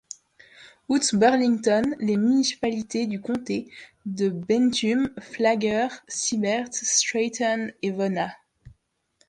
Outre Burlington, les municipalités du comté sont Bethune, Flagler, Seibert, Stratton et Vona.